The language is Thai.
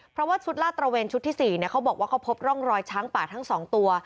เพราะว่าชุดลาดตระเวนชุดที่๔เขาบอกว่าเขาพบร่องรอยช้างป่าทั้ง๒ตัว